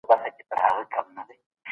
که ماشومان چپس نه خوري.